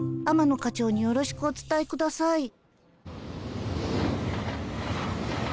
天野課長によろしくお伝え下さい。